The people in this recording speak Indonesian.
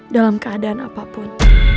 dalam keadaan apapun